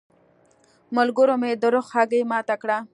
ملګرو مې د رخ هګۍ ماته کړه.